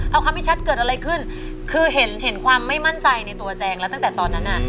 เอาคำพี่ชัดเกิดอะไรขึ้นคือเห็นเห็นความไม่มั่นใจในตัวแจงแล้วตั้งแต่ตอนนั้นอ่ะ